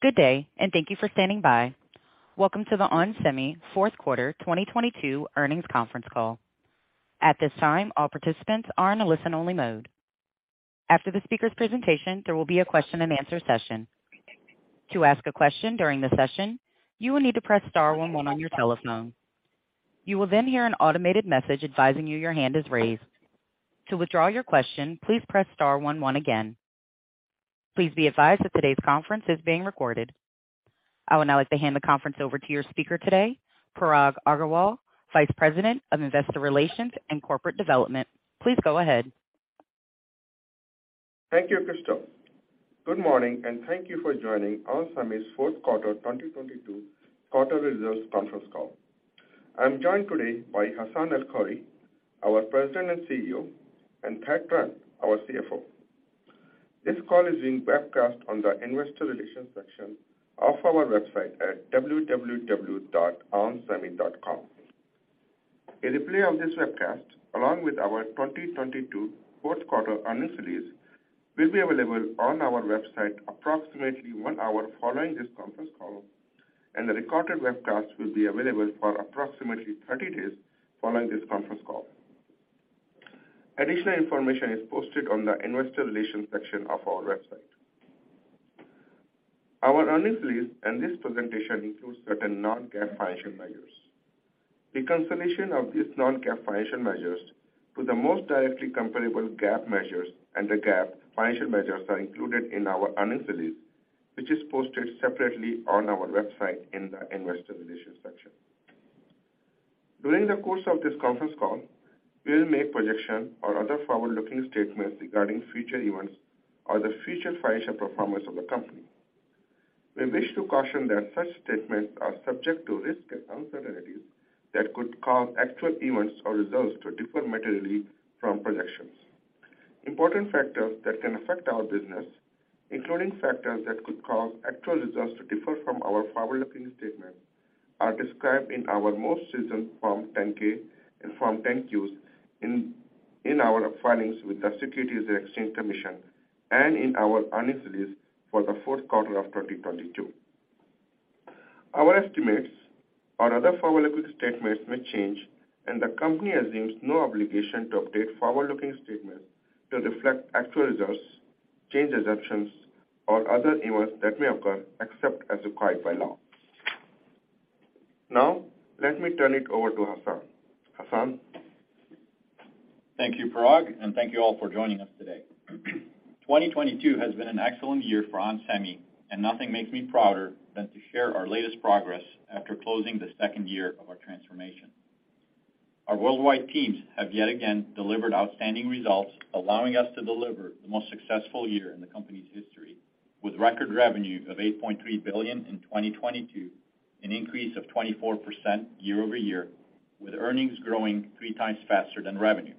Good day. Thank you for standing by. Welcome to the onsemi fourth quarter 2022 earnings conference call. At this time, all participants are in a listen-only mode. After the speaker's presentation, there will be a Q&A session. To ask a question during the session, you will need to press star one one on your telephone. You will hear an automated message advising you your hand is raised. To withdraw your question, please press star one one again. Please be advised that today's conference is being recorded. I would now like to hand the conference over to your speaker today, Parag Agarwal, Vice President of Investor Relations and Corporate Development. Please go ahead. Thank you, Crystal. Good morning, and thank you for joining onsemi's fourth quarter 2022 quarter results conference call. I'm joined today by Hassane El-Khoury, our President and CEO, and Thad Trent, our CFO. This call is being webcast on the investor relations section of our website at www.onsemi.com. A replay of this webcast, along with our 2022 fourth quarter earnings release, will be available on our website approximately 1 hour following this conference call, and the recorded webcast will be available for approximately 30 days following this conference call. Additional information is posted on the investor relations section of our website. Our earnings release and this presentation includes certain non-GAAP financial measures. The reconciliation of these non-GAAP financial measures to the most directly comparable GAAP measures and the GAAP financial measures are included in our earnings release, which is posted separately on our website in the investor relations section. During the course of this conference call, we'll make projections or other forward-looking statements regarding future events or the future financial performance of the company. We wish to caution that such statements are subject to risks and uncertainties that could cause actual events or results to differ materially from projections. Important factors that can affect our business, including factors that could cause actual results to differ from our forward-looking statement, are described in our most recent Form 10-K and Form 10-Q in our filings with the Securities and Exchange Commission and in our earnings release for the fourth quarter of 2022. Our estimates or other forward-looking statements may change. The company assumes no obligation to update forward-looking statements to reflect actual results, changed assumptions, or other events that may occur, except as required by law. Let me turn it over to Hassane. Hassane? Thank you, Parag, and thank you all for joining us today. 2022 has been an excellent year for onsemi, and nothing makes me prouder than to share our latest progress after closing the second year of our transformation. Our worldwide teams have yet again delivered outstanding results, allowing us to deliver the most successful year in the company's history, with record revenue of $8.3 billion in 2022, an increase of 24% year-over-year, with earnings growing 3 times faster than revenue.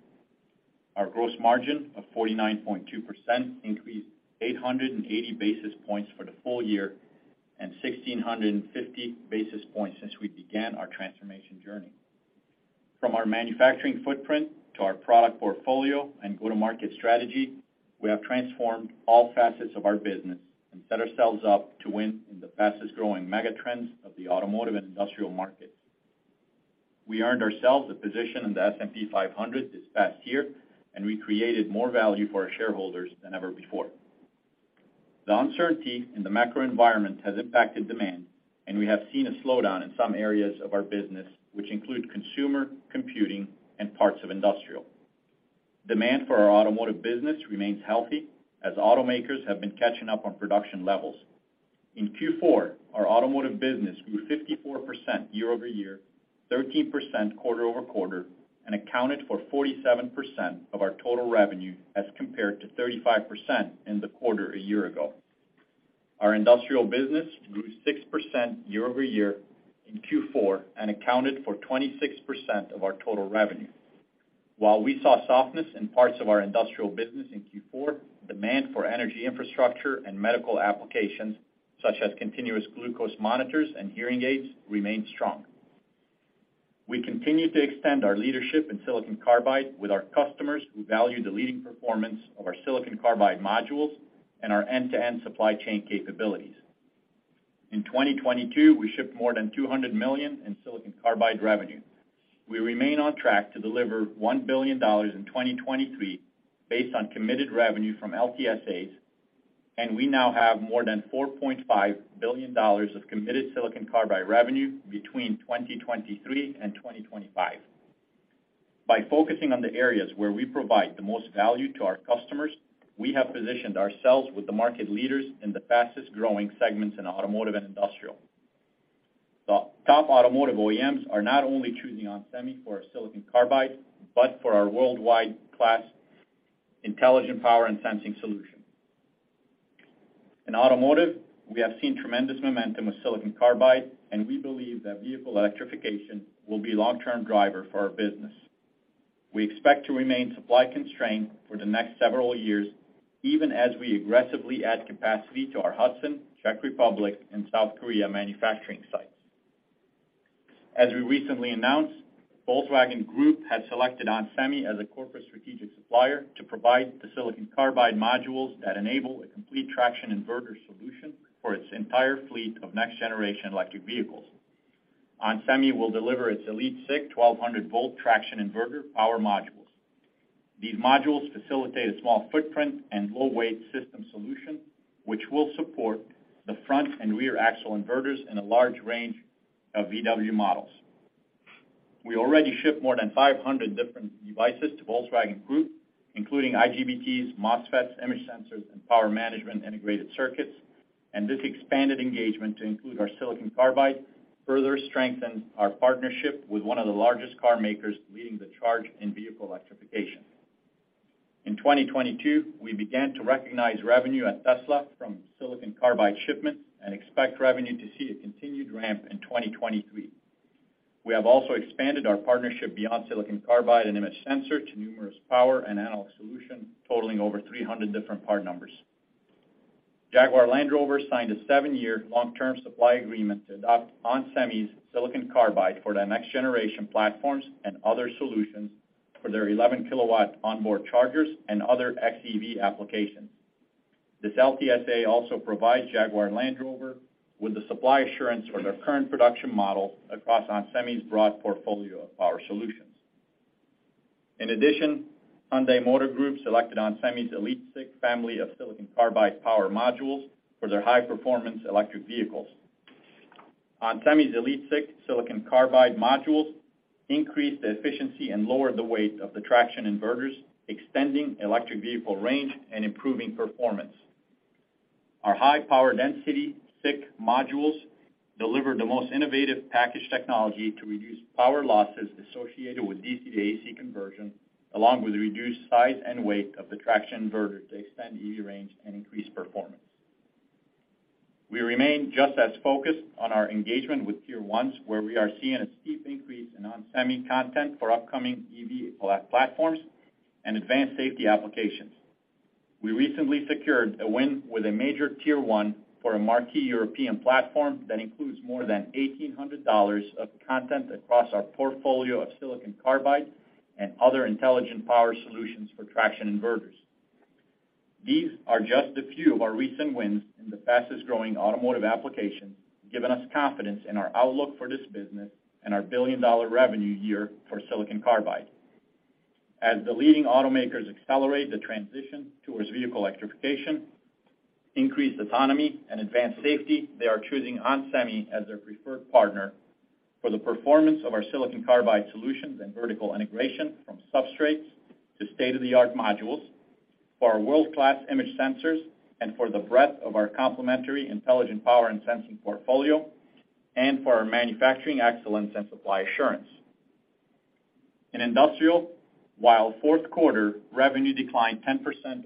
Our gross margin of 49.2% increased 880 basis points for the full year and 1,650 basis points since we began our transformation journey. From our manufacturing footprint to our product portfolio and go-to-market strategy, we have transformed all facets of our business and set ourselves up to win in the fastest-growing mega trends of the automotive and industrial markets. We earned ourselves a position in the S&P 500 this past year, and we created more value for our shareholders than ever before. The uncertainty in the macro environment has impacted demand, and we have seen a slowdown in some areas of our business, which include consumer, computing, and parts of industrial. Demand for our automotive business remains healthy as automakers have been catching up on production levels. In Q4, our automotive business grew 54% year-over-year, 13% quarter-over-quarter, and accounted for 47% of our total revenue as compared to 35% in the quarter a year ago. Our industrial business grew 6% year-over-year in Q4 and accounted for 26% of our total revenue. While we saw softness in parts of our industrial business in Q4, demand for energy infrastructure and medical applications, such as continuous glucose monitors and hearing aids, remained strong. We continue to extend our leadership in silicon carbide with our customers who value the leading performance of our silicon carbide modules and our end-to-end supply chain capabilities. In 2022, we shipped more than $200 million in silicon carbide revenue. We remain on track to deliver $1 billion in 2023 based on committed revenue from LTSAs, and we now have more than $4.5 billion of committed silicon carbide revenue between 2023 and 2025. By focusing on the areas where we provide the most value to our customers, we have positioned ourselves with the market leaders in the fastest-growing segments in automotive and industrial. The top automotive OEMs are not only choosing onsemi for our silicon carbide, but for our worldwide class Intelligent Power and sensing solution. In automotive, we have seen tremendous momentum with silicon carbide, and we believe that vehicle electrification will be a long-term driver for our business. We expect to remain supply constrained for the next several years, even as we aggressively add capacity to our Hudson, Czech Republic, and South Korea manufacturing sites. As we recently announced, Volkswagen Group has selected onsemi as a corporate strategic supplier to provide the silicon carbide modules that enable a complete traction inverter solution for its entire fleet of next-generation electric vehicles. onsemi will deliver its EliteSiC 1,200 volt traction inverter power modules. These modules facilitate a small footprint and low weight system solution, which will support the front and rear axle inverters in a large range of VW models. We already ship more than 500 different devices to Volkswagen Group, including IGBTs, MOSFETs, image sensors, and power management integrated circuits. This expanded engagement to include our silicon carbide further strengthens our partnership with one of the largest car makers leading the charge in vehicle electrification. In 2022, we began to recognize revenue at Tesla from silicon carbide shipments and expect revenue to see a continued ramp in 2023. We have also expanded our partnership beyond silicon carbide and image sensor to numerous power and analog solution, totaling over 300 different part numbers. Jaguar Land Rover signed a seven-year long-term supply agreement to adopt onsemi's silicon carbide for their next-generation platforms and other solutions for their 11 kW onboard chargers and other XEV applications. This LTSA also provides Jaguar Land Rover with the supply assurance for their current production model across onsemi's broad portfolio of power solutions. In addition, Hyundai Motor Group selected onsemi's EliteSiC family of silicon carbide power modules for their high-performance electric vehicles. onsemi's EliteSiC silicon carbide modules increase the efficiency and lower the weight of the traction inverters, extending electric vehicle range and improving performance. Our high power density SiC modules deliver the most innovative package technology to reduce power losses associated with DC to AC conversion, along with reduced size and weight of the traction inverter to extend EV range and increase performance. We remain just as focused on our engagement with Tier Ones, where we are seeing a steep increase in onsemi content for upcoming EV platforms and advanced safety applications. We recently secured a win with a major Tier One for a marquee European platform that includes more than $1,800 of content across our portfolio of silicon carbide and other Intelligent Power solutions for traction inverters. These are just a few of our recent wins in the fastest-growing automotive applications, giving us confidence in our outlook for this business and our billion-dollar revenue year for silicon carbide. As the leading automakers accelerate the transition towards vehicle electrification, increased autonomy, and advanced safety, they are choosing onsemi as their preferred partner for the performance of our silicon carbide solutions and vertical integration from substrates to state-of-the-art modules, for our world-class image sensors, and for the breadth of our complementary Intelligent Power and Intelligent Sensing portfolio, and for our manufacturing excellence and supply assurance. In industrial, while fourth quarter revenue declined 10%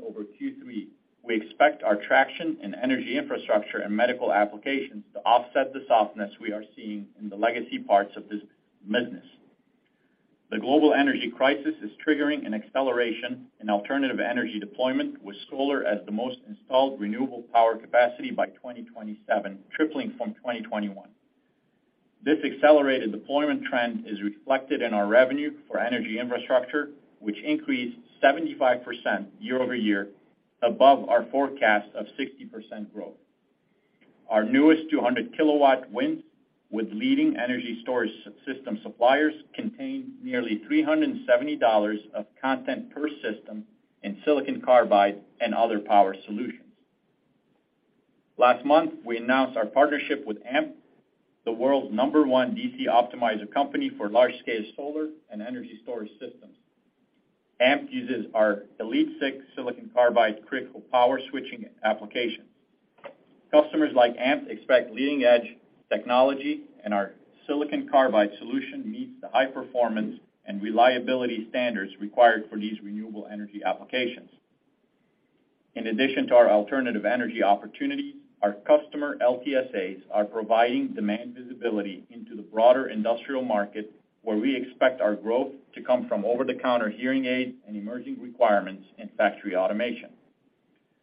over Q3, we expect our traction in energy infrastructure and medical applications to offset the softness we are seeing in the legacy parts of this business. The global energy crisis is triggering an acceleration in alternative energy deployment with solar as the most installed renewable power capacity by 2027, tripling from 2021. This accelerated deployment trend is reflected in our revenue for energy infrastructure, which increased 75% year-over-year above our forecast of 60% growth. Our newest 200 kW wins with leading energy storage system suppliers contained nearly $370 of content per system in silicon carbide and other power solutions. Last month, we announced our partnership with Ampt, the world's number one DC optimizer company for large-scale solar and energy storage systems. Ampt uses our EliteSiC silicon carbide critical power switching applications. Customers like Ampt expect leading-edge technology. Our silicon carbide solution meets the high performance and reliability standards required for these renewable energy applications. In addition to our alternative energy opportunities, our customer LTSAs are providing demand visibility into the broader industrial market, where we expect our growth to come from over-the-counter hearing aids and emerging requirements in factory automation.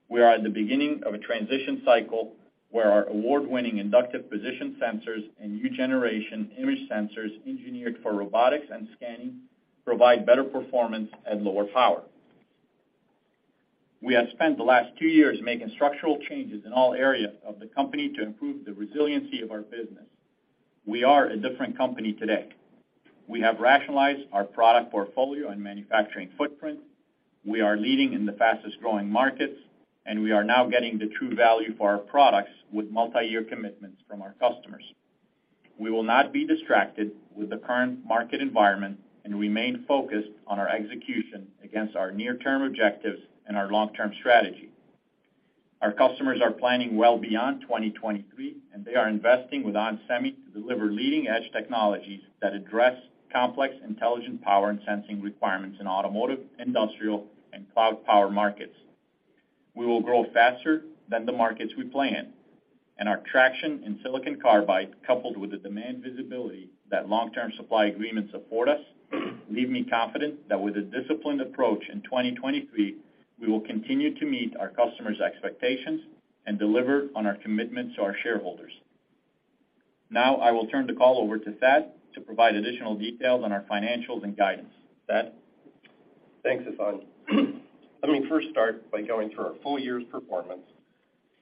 We are at the beginning of a transition cycle where our award-winning inductive position sensors and new generation image sensors engineered for robotics and scanning provide better performance at lower power. We have spent the last two years making structural changes in all areas of the company to improve the resiliency of our business. We are a different company today. We have rationalized our product portfolio and manufacturing footprint. We are leading in the fastest-growing markets. We are now getting the true value for our products with multiyear commitments from our customers. We will not be distracted with the current market environment and remain focused on our execution against our near-term objectives and our long-term strategy. Our customers are planning well beyond 2023. They are investing with onsemi to deliver leading-edge technologies that address complex, Intelligent Power and Sensing requirements in automotive, industrial, and cloud power markets. We will grow faster than the markets we play in. Our traction in silicon carbide, coupled with the demand visibility that long-term supply agreements afford us, leave me confident that with a disciplined approach in 2023, we will continue to meet our customers' expectations and deliver on our commitment to our shareholders. Now I will turn the call over to Thad to provide additional details on our financials and guidance. Thad? Thanks, Hassane. Let me first start by going through our full year's performance,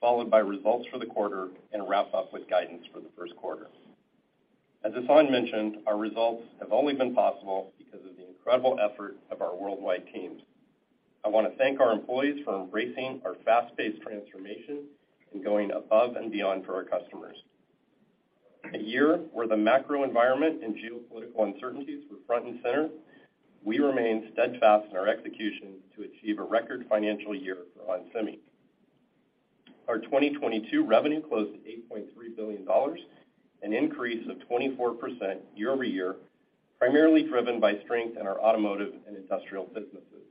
followed by results for the quarter, and wrap up with guidance for the first quarter. As Hassane mentioned, our results have only been possible because of the incredible effort of our worldwide teams. I want to thank our employees for embracing our fast-paced transformation and going above and beyond for our customers. A year where the macro environment and geopolitical uncertainties were front and center, we remained steadfast in our execution to achieve a record financial year for ON Semiconductor. Our 2022 revenue closed at $8.3 billion, an increase of 24% year-over-year, primarily driven by strength in our automotive and industrial businesses.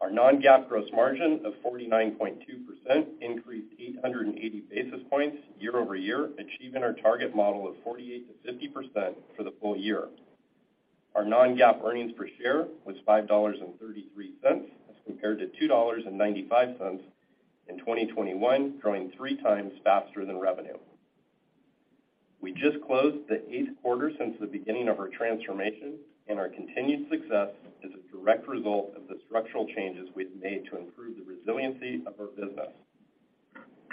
Our non-GAAP gross margin of 49.2% increased 880 basis points year-over-year, achieving our target model of 48%-50% for the full year. Our non-GAAP earnings per share was $5.33 as compared to $2.95 in 2021, growing 3x faster than revenue. We just closed the eighth quarter since the beginning of our transformation, and our continued success is a direct result of the structural changes we've made to improve the resiliency of our business.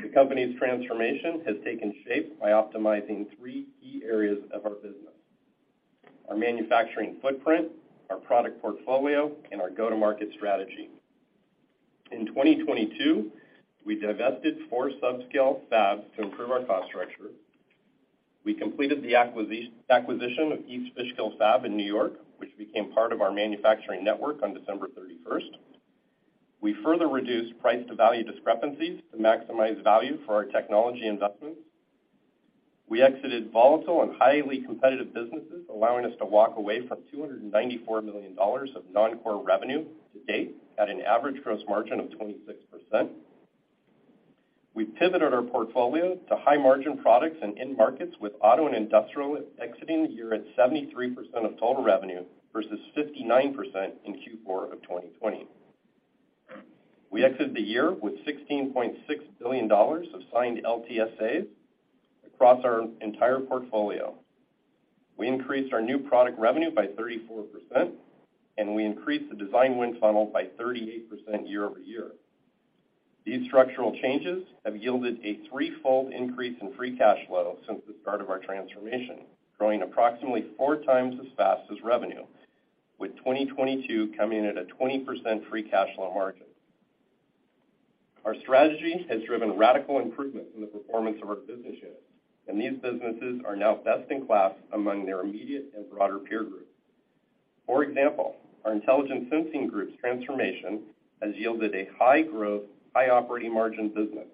The company's transformation has taken shape by optimizing three key areas of our business: our manufacturing footprint, our product portfolio, and our go-to-market strategy. In 2022, we divested four subscale fabs to improve our cost structure. We completed the acquisition of East Fishkill Fab in New York, which became part of our manufacturing network on December 31st. We further reduced price to value discrepancies to maximize value for our technology investments. We exited volatile and highly competitive businesses, allowing us to walk away from $294 million of non-core revenue to date at an average gross margin of 26%. We pivoted our portfolio to high-margin products and end markets, with auto and industrial exiting the year at 73% of total revenue versus 59% in Q4 of 2020. We exited the year with $16.6 billion of signed LTSAs across our entire portfolio. We increased our new product revenue by 34%. We increased the design win funnel by 38% year-over-year. These structural changes have yielded a threefold increase in free cash flow since the start of our transformation, growing approximately four times as fast as revenue, with 2022 coming in at a 20% free cash flow margin. Our strategy has driven radical improvement in the performance of our business units. These businesses are now best in class among their immediate and broader peer group. For example, our Intelligent Sensing Group's transformation has yielded a high-growth, high operating margin business.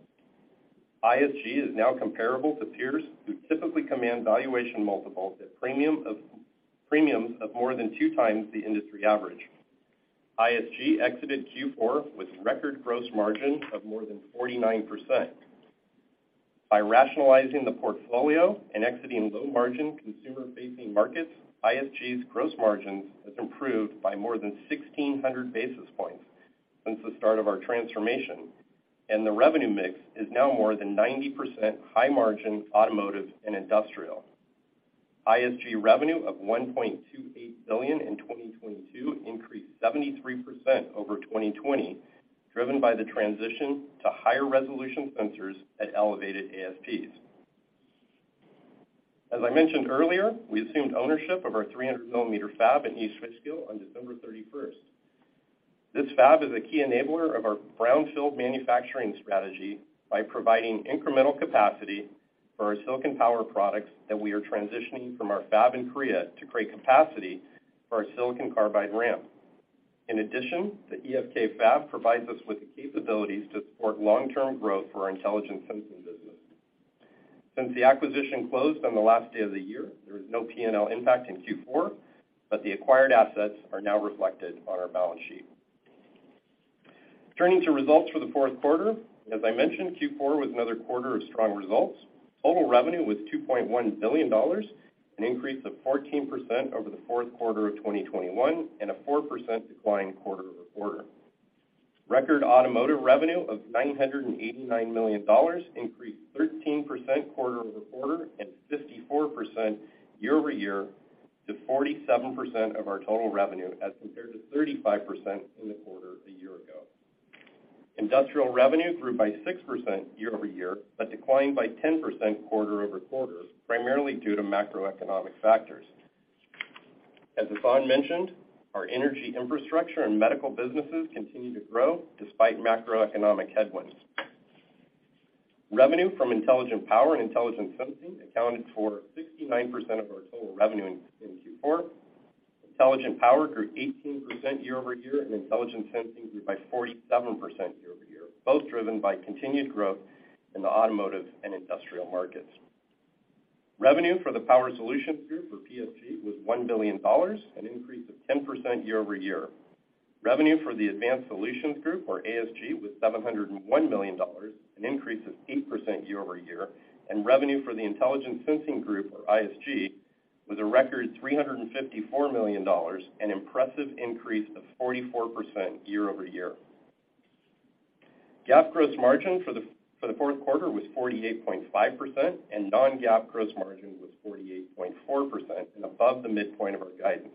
ISG is now comparable to peers who typically command valuation multiples at premiums of more than 2x the industry average. ISG exited Q4 with record gross margin of more than 49%. By rationalizing the portfolio and exiting low-margin consumer-facing markets, Intelligent Sensing Group's gross margin has improved by more than 1,600 basis points since the start of our transformation. The revenue mix is now more than 90% high-margin automotive and industrial. Intelligent Sensing Group revenue of $1.28 billion in 2022 increased 73% over 2020, driven by the transition to higher resolution sensors at elevated ASPs. As I mentioned earlier, we assumed ownership of our 300 mm fab in East Fishkill on December 31st. This fab is a key enabler of our brownfield manufacturing strategy by providing incremental capacity for our silicon power products that we are transitioning from our fab in Korea to create capacity for our silicon carbide ramp. The EFK fab provides us with the capabilities to support long-term growth for our Intelligent Sensing business. Since the acquisition closed on the last day of the year, there was no P&L impact in Q4, but the acquired assets are now reflected on our balance sheet. Turning to results for the fourth quarter. As I mentioned, Q4 was another quarter of strong results. Total revenue was $2.1 billion, an increase of 14% over the fourth quarter of 2021 and a 4% decline quarter-over-quarter. Record automotive revenue of $989 million increased 13% quarter-over-quarter and 54% year-over-year to 47% of our total revenue as compared to 35% in the quarter a year ago. Industrial revenue grew by 6% year-over-year, declined by 10% quarter-over-quarter, primarily due to macroeconomic factors. As Hassane mentioned, our energy infrastructure and medical businesses continue to grow despite macroeconomic headwinds. Revenue from Intelligent Power and Intelligent Sensing accounted for 69% of our total revenue in Q4. Intelligent Power grew 18% year-over-year, and Intelligent Sensing grew by 47% year-over-year, both driven by continued growth in the automotive and industrial markets. Revenue for the Power Solutions Group, or PSG, was $1 billion, an increase of 10% year-over-year. Revenue for the Advanced Solutions Group, or ASG, was $701 million, an increase of 8% year-over-year. Revenue for the Intelligent Sensing Group, or ISG, with a record $354 million, an impressive increase of 44% year-over-year. GAAP gross margin for the fourth quarter was 48.5% and non-GAAP gross margin was 48.4% and above the midpoint of our guidance.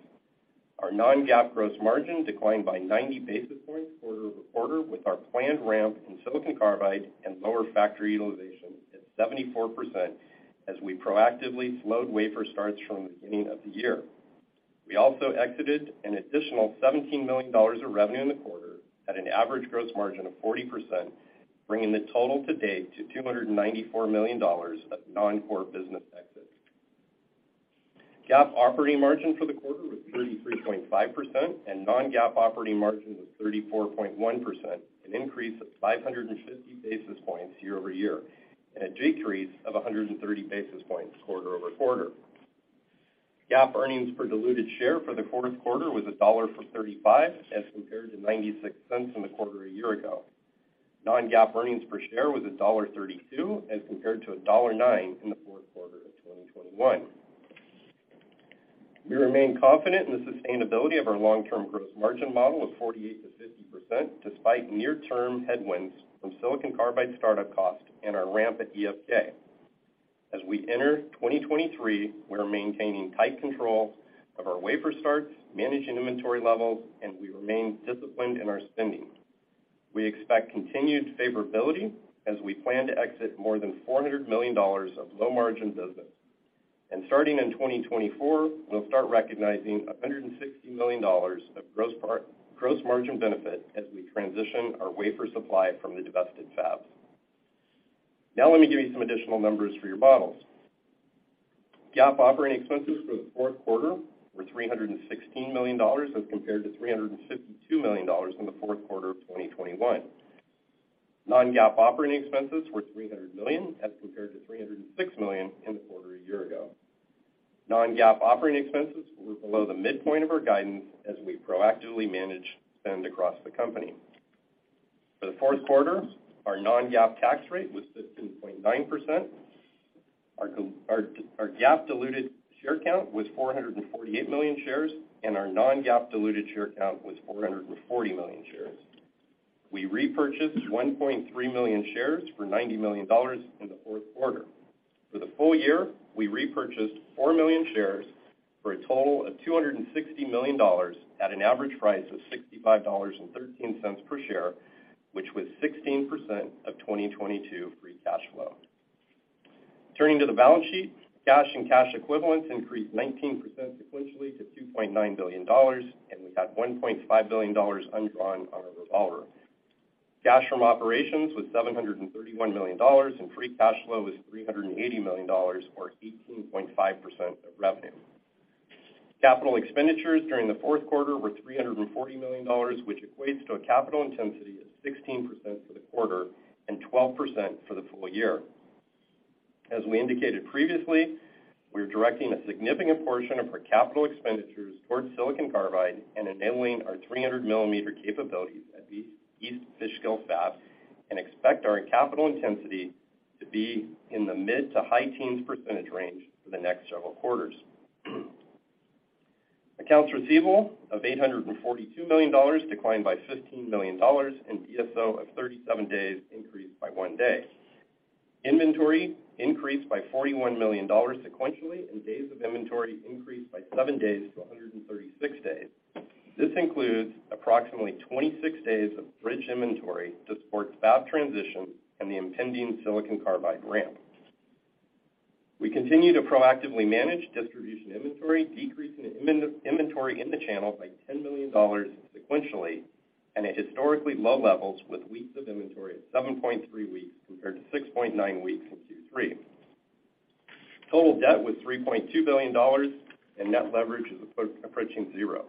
Our non-GAAP gross margin declined by 90 basis points quarter-over-quarter with our planned ramp in silicon carbide and lower factory utilization at 74% as we proactively slowed wafer starts from the beginning of the year. We also exited an additional $17 million of revenue in the quarter at an average gross margin of 40%, bringing the total to date to $294 million of non-core business exits. GAAP operating margin for the quarter was 33.5% and non-GAAP operating margin was 34.1%, an increase of 550 basis points year-over-year, and a decrease of 130 basis points quarter-over-quarter. GAAP earnings per diluted share for the fourth quarter was $1.35 as compared to $0.96 in the quarter a year ago. Non-GAAP earnings per share was $1.32 as compared to $1.09 in the fourth quarter of 2021. We remain confident in the sustainability of our long-term gross margin model of 48%-50% despite near-term headwinds from silicon carbide startup costs and our ramp at EFK. As we enter 2023, we are maintaining tight control of our wafer starts, managing inventory levels, and we remain disciplined in our spending. We expect continued favorability as we plan to exit more than $400 million of low margin business. Starting in 2024, we'll start recognizing $160 million of gross margin benefit as we transition our wafer supply from the divested fabs. Now let me give you some additional numbers for your models. GAAP operating expenses for the fourth quarter were $316 million as compared to $352 million in the fourth quarter of 2021. non-GAAP operating expenses were $300 million as compared to $306 million in the quarter a year ago. non-GAAP operating expenses were below the midpoint of our guidance as we proactively managed spend across the company. For the fourth quarter, our non-GAAP tax rate was 16.9%. Our GAAP diluted share count was 448 million shares, and our non-GAAP diluted share count was 440 million shares. We repurchased 1.3 million shares for $90 million in the fourth quarter. For the full year, we repurchased 4 million shares for a total of $260 million at an average price of $65.13 per share, which was 16% of 2022 free cash flow. Turning to the balance sheet, cash and cash equivalents increased 19% sequentially to $2.9 billion, and we had $1.5 billion undrawn on our revolver. Cash from operations was $731 million, and free cash flow was $380 million, or 18.5% of revenue. Capital expenditures during the fourth quarter were $340 million, which equates to a capital intensity of 16% for the quarter and 12% for the full year. As we indicated previously, we're directing a significant portion of our capital expenditures towards silicon carbide and enabling our 300 mm capabilities at the East Fishkill fabs and expect our capital intensity to be in the mid-to-high teens % range for the next several quarters. Accounts receivable of $842 million declined by $15 million, and DSO of 37 days increased by one day. Inventory increased by $41 million sequentially, and days of inventory increased by seven days to 136 days. This includes approximately 26 days of bridge inventory to support fab transition and the impending silicon carbide ramp. We continue to proactively manage distribution inventory, decreasing inventory in the channel by $10 million sequentially and at historically low levels with weeks of inventory at 7.3 weeks compared to 6.9 weeks in Q3. Total debt was $3.2 billion. Net leverage is approaching zero.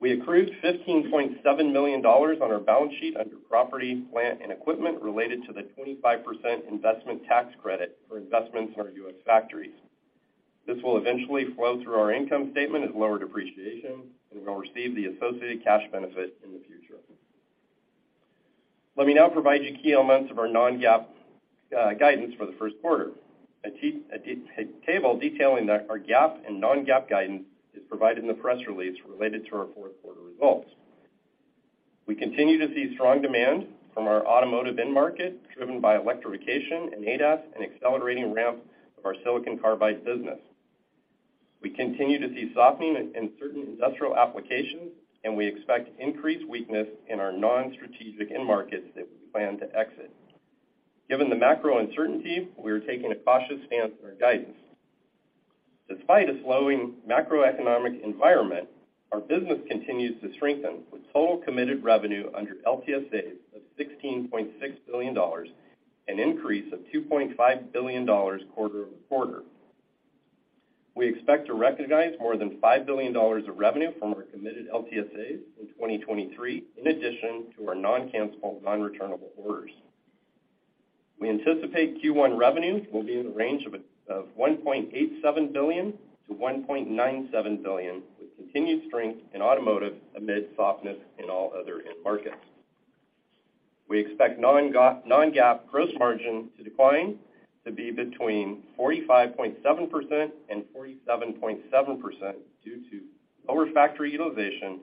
We accrued $15.7 million on our balance sheet under property, plant, and equipment related to the 25% investment tax credit for investments in our U.S. factories. This will eventually flow through our income statement as lower depreciation. We'll receive the associated cash benefit in the future. Let me now provide you key elements of our non-GAAP guidance for the first quarter. A table detailing our GAAP and non-GAAP guidance is provided in the press release related to our fourth quarter results. We continue to see strong demand from our automotive end market, driven by electrification and ADAS and accelerating ramp of our silicon carbide business. We continue to see softening in certain industrial applications. We expect increased weakness in our non-strategic end markets that we plan to exit. Given the macro uncertainty, we are taking a cautious stance in our guidance. Despite a slowing macroeconomic environment, our business continues to strengthen with total committed revenue under LTSAs of $16.6 billion, an increase of $2.5 billion quarter-over-quarter. We expect to recognize more than $5 billion of revenue from our committed LTSAs in 2023 in addition to our non-cancellable, non-returnable orders. We anticipate Q1 revenues will be in the range of $1.87 billion-$1.97 billion with continued strength in automotive amid softness in all other end markets. We expect non-GAAP gross margin to decline to be between 45.7% and 47.7% due to lower factory utilization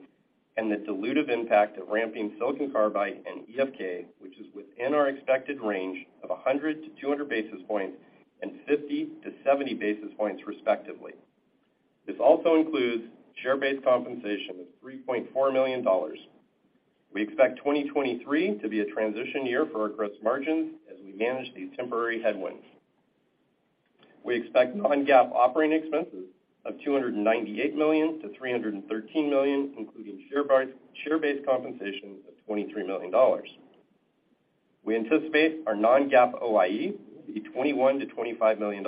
and the dilutive impact of ramping silicon carbide and EFK, which is within our expected range of 100-200 basis points and 50-70 basis points respectively. This also includes share-based compensation of $3.4 million. We expect 2023 to be a transition year for our gross margins as we manage these temporary headwinds. We expect non-GAAP operating expenses of $298 million-$313 million, including share-based compensation of $23 million. We anticipate our non-GAAP OIE to be $21 million-$25 million.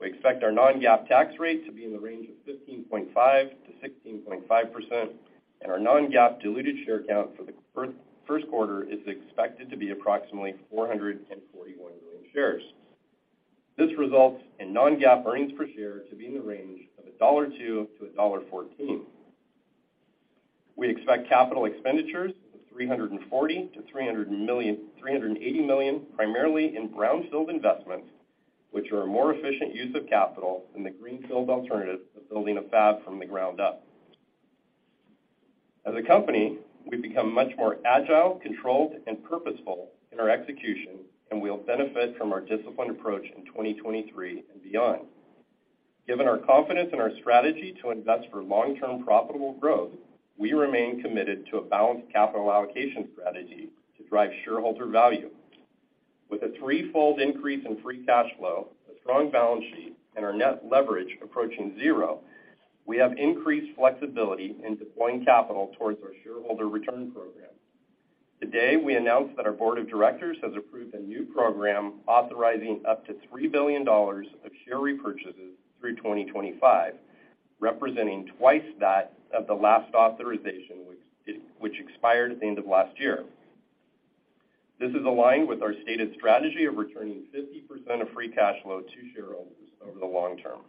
We expect our non-GAAP tax rate to be in the range of 15.5%-16.5%. Our non-GAAP diluted share count for the first quarter is expected to be approximately 441 million shares. This results in non-GAAP earnings per share to be in the range of $1.02-$1.14. We expect capital expenditures of $340 million-$380 million, primarily in brownfield investments, which are a more efficient use of capital than the greenfield alternative of building a fab from the ground up. As a company, we've become much more agile, controlled, and purposeful in our execution. We'll benefit from our disciplined approach in 2023 and beyond. Given our confidence in our strategy to invest for long-term profitable growth, we remain committed to a balanced capital allocation strategy to drive shareholder value. With a threefold increase in free cash flow, a strong balance sheet, and our net leverage approaching zero, we have increased flexibility in deploying capital towards our shareholder return program. Today, we announced that our board of directors has approved a new program authorizing up to $3 billion of share repurchases through 2025, representing twice that of the last authorization, which expired at the end of last year. This is aligned with our stated strategy of returning 50% of free cash flow to shareholders over the long term.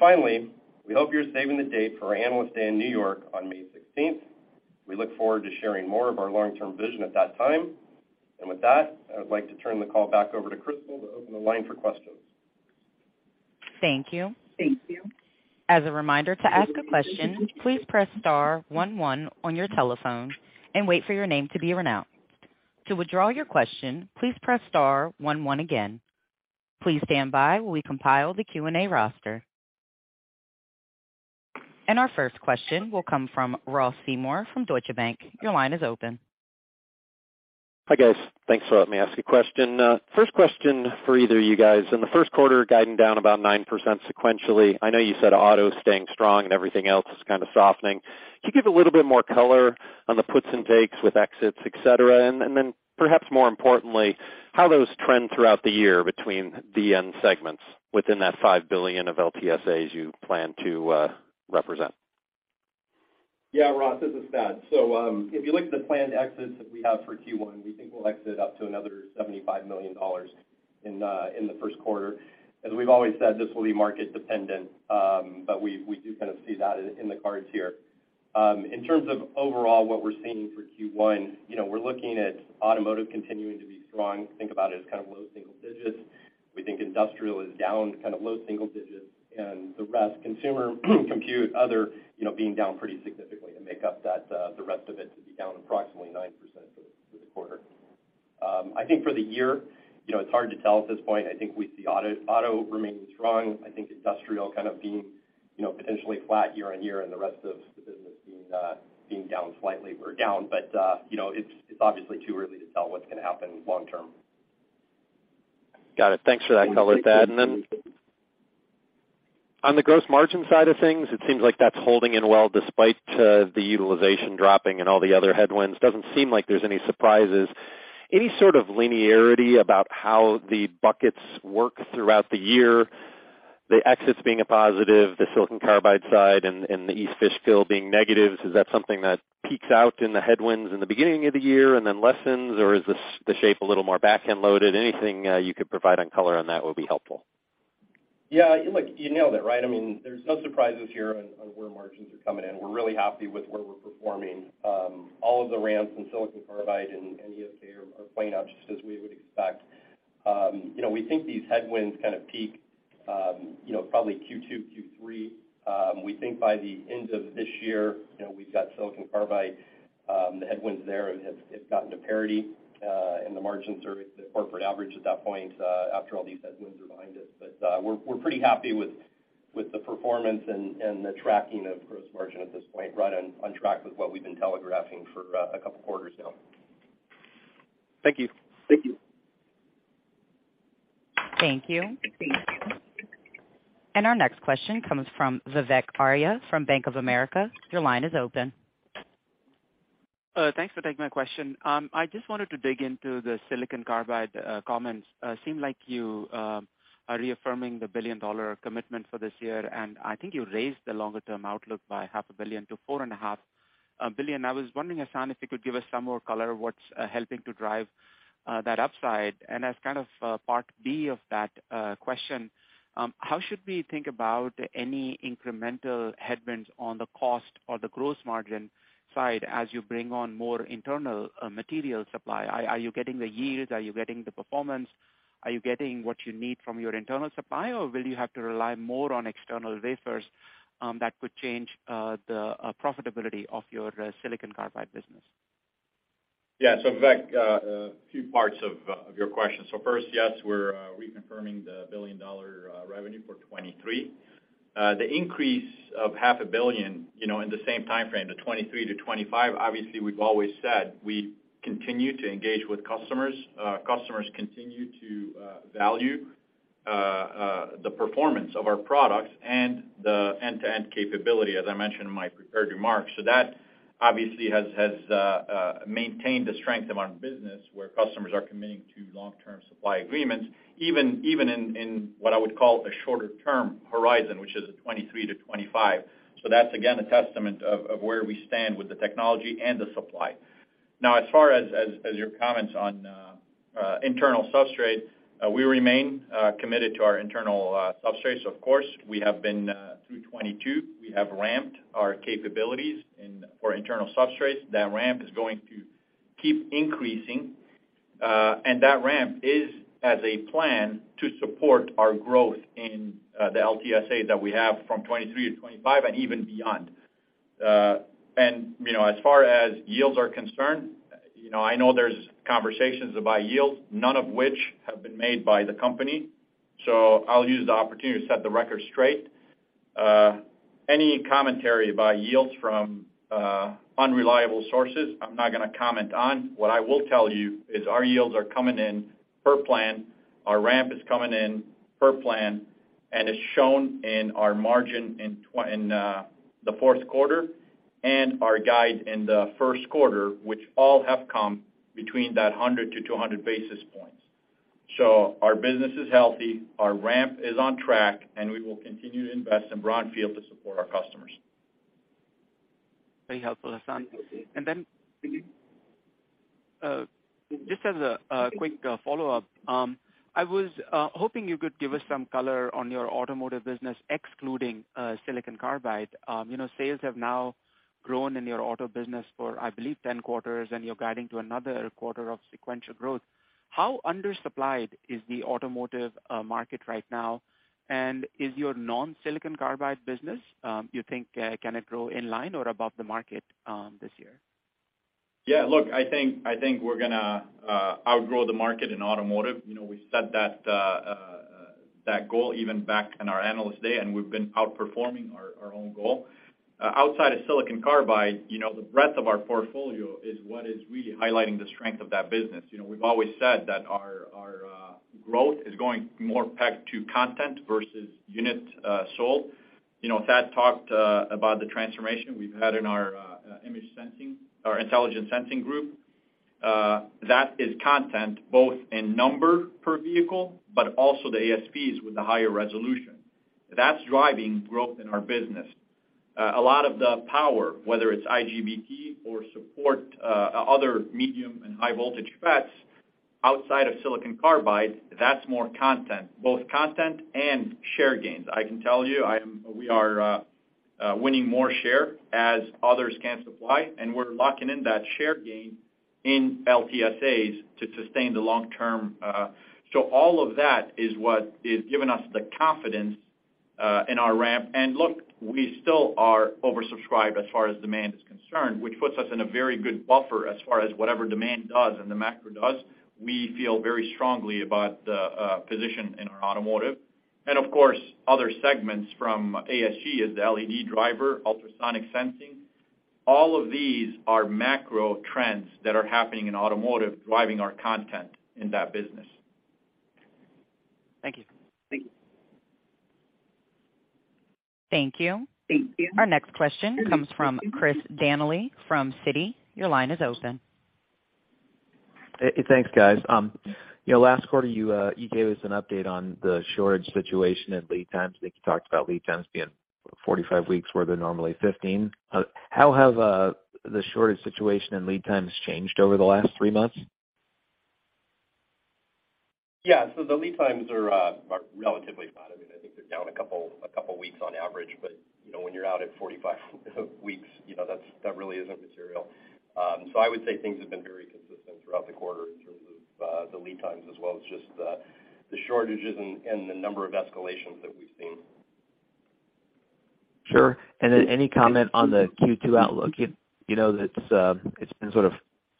Finally, we hope you're saving the date for our Analyst Day in New York on May 16th. We look forward to sharing more of our long-term vision at that time. With that, I would like to turn the call back over to Crystal to open the line for questions. Thank you. As a reminder to ask a question, please press star one one on your telephone and wait for your name to be announced. To withdraw your question, please press star one one again. Please stand by while we compile the Q&A roster. Our first question will come from Ross Seymore from Deutsche Bank. Your line is open. Hi, guys. Thanks for letting me ask a question. First question for either of you guys. In the first quarter, guiding down about 9% sequentially, I know you said auto is staying strong and everything else is kind of softening. Could you give a little bit more color on the puts and takes with exits, et cetera? Then perhaps more importantly, how those trend throughout the year between the end segments within that $5 billion of LTSAs you plan to represent? Yeah, Ross, this is Thad. If you look at the planned exits that we have for Q1, we think we'll exit up to another $75 million in the first quarter. As we've always said, this will be market dependent, but we do kind of see that in the cards here. In terms of overall what we're seeing for Q1, you know, we're looking at automotive continuing to be strong. Think about it as kind of low single digits. We think industrial is down kind of low single digits and the rest, consumer, compute, other, you know, being down pretty significantly to make up that the rest of it to be down approximately 9% for the quarter. I think for the year, you know, it's hard to tell at this point. I think we see auto remain strong. I think industrial kind of being, you know, potentially flat year-on-year and the rest of the business being down slightly or down. You know, it's obviously too early to tell what's gonna happen long term. Got it. Thanks for that color, Thad. On the gross margin side of things, it seems like that's holding in well despite the utilization dropping and all the other headwinds. Doesn't seem like there's any surprises. Any sort of linearity about how the buckets work throughout the year, the exits being a positive, the silicon carbide side and the East Fishkill being negatives, is that something that peaks out in the headwinds in the beginning of the year and then lessens, or is the shape a little more back-end loaded? Anything you could provide on color on that would be helpful. Yeah, look, you nailed it, right? I mean, there's no surprises here on where margins are coming in. We're really happy with where we're performing. All of the ramps in silicon carbide and EFK are playing out just as we would expect. You know, we think these headwinds kind of peak, you know, probably Q2, Q3. We think by the end of this year, you know, we've got silicon carbide, the headwinds there have gotten to parity, and the margins are at the corporate average at that point, after all these headwinds are behind us. We're pretty happy with the performance and the tracking of gross margin at this point, right on track with what we've been telegraphing for a couple of quarters now. Thank you. Thank you. Our next question comes from Vivek Arya from Bank of America. Your line is open. Thanks for taking my question. I just wanted to dig into the silicon carbide comments. Seem like you are reaffirming the billion-dollar commitment for this year, and I think you raised the longer-term outlook by half a billion to four and a half billion. I was wondering, Hassane, if you could give us some more color what's helping to drive that upside? As kind of part B of that question, how should we think about any incremental headwinds on the cost or the gross margin side as you bring on more internal material supply? Are you getting the yield? Are you getting the performance? Are you getting what you need from your internal supply, or will you have to rely more on external wafers that could change the profitability of your silicon carbide business? Yeah. Vivek, a few parts of your question. First, yes, we're reconfirming the $1 billion revenue for 2023. The increase of half a billion, you know, in the same timeframe, the 2023-2025, obviously, we've always said we continue to engage with customers. Customers continue to value the performance of our products and the end-to-end capability, as I mentioned in my prepared remarks. That obviously has maintained the strength of our business, where customers are committing to long-term supply agreements, even in what I would call a shorter term horizon, which is a 2023-2025. That's again a testament of where we stand with the technology and the supply. As far as your comments on internal substrate, we remain committed to our internal substrates, of course. We have been through 2022. We have ramped our capabilities for internal substrates. That ramp is going to keep increasing. That ramp is as a plan to support our growth in the LTSA that we have from 2023-2025 and even beyond. You know, as far as yields are concerned, you know, I know there's conversations about yields, none of which have been made by the company. I'll use the opportunity to set the record straight. Any commentary about yields from unreliable sources, I'm not gonna comment on. What I will tell you is our yields are coming in per plan. Our ramp is coming in per plan and is shown in our margin in the fourth quarter and our guide in the first quarter, which all have come between that 100-200 basis points. Our business is healthy, our ramp is on track, and we will continue to invest in brownfield to support our customers. Very helpful, Hassane. Just as a quick follow-up, I was hoping you could give us some color on your automotive business, excluding silicon carbide. You know, sales have now grown in your auto business for, I believe, 10 quarters, and you're guiding to another quarter of sequential growth. How undersupplied is the automotive market right now? Is your non-silicon carbide business, you think, can it grow in line or above the market this year? Look, I think we're gonna outgrow the market in automotive. You know, we set that goal even back in our Analyst Day, and we've been outperforming our own goal. Outside of silicon carbide, you know, the breadth of our portfolio is what is really highlighting the strength of that business. You know, we've always said that our growth is going more pegged to content versus unit sold. You know, Thad talked about the transformation we've had in our image sensing or Intelligent Sensing Group. That is content both in number per vehicle, but also the ASPs with the higher resolution. That's driving growth in our business. A lot of the power, whether it's IGBT or support, other medium and high voltage FETs outside of silicon carbide, that's more content, both content and share gains. I can tell you, we are winning more share as others can't supply, and we're locking in that share gain in LTSAs to sustain the long term. All of that is what is giving us the confidence in our ramp. Look, we still are oversubscribed as far as demand is concerned, which puts us in a very good buffer as far as whatever demand does and the macro does. We feel very strongly about the position in our automotive. Of course, other segments from ASG is the LED driver, ultrasonic sensing. All of these are macro trends that are happening in automotive, driving our content in that business. Thank you. Thank you. Our next question comes from Chris Danely from Citi. Your line is open. Hey. Thanks, guys. you know, last quarter, you gave us an update on the shortage situation and lead times. I think you talked about lead times being 45 weeks, where they're normally 15. How have the shortage situation and lead times changed over the last three months? Yeah. The lead times are relatively flat. I mean, I think they're down a couple weeks on average, but, you know, when you're out at 45 weeks, you know, that's, that really isn't material. I would say things have been very consistent throughout the quarter in terms of the lead times as well as just the shortages and the number of escalations that we've seen. Sure. Then any comment on the Q2 outlook? You know, that it's been sort of